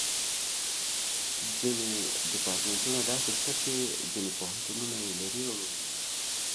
ځینې ډیپارټمنټونه داسې شته چې ځینې پوهنتونونه یې لري او نور یې نه لري.